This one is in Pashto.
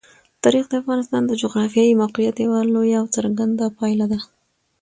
تاریخ د افغانستان د جغرافیایي موقیعت یوه لویه او څرګنده پایله ده.